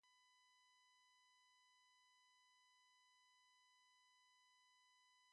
Give us rain in due season and a plentiful harvest.